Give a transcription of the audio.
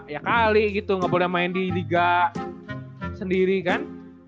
ya kali gitu nggak boleh main di liga sendiri kan